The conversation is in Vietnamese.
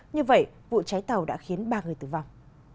như vậy vụ cháy tàu đã khiến ba người tử vong